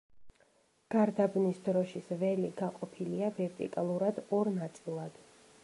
გარდაბნის დროშის ველი გაყოფილია ვერტიკალურად ორ ნაწილად.